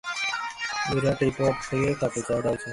Meera teapot থেকে কাপে চা ঢালছেন।